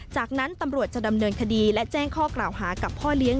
จากนั้นตำรวจจะดำเนินคดีและแจ้งข้อกล่าวหากับพ่อเลี้ยง